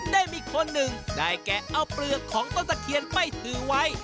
ได้มีคนหนึ่งได้แกะเอาเปลือกของต้นตะเคียนไปถือไว้